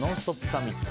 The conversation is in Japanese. サミット。